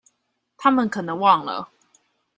她們可能忘了